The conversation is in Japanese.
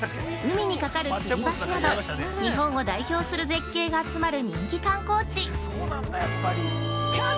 海にかかるつり橋など、日本を代表する絶景が集まる人気観光地！